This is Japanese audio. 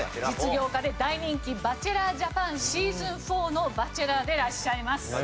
実業家で大人気『バチェラー・ジャパン』シーズン４のバチェラーでいらっしゃいます。